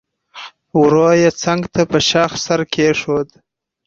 ورو يې څنګ ته په شاخ سر کېښود.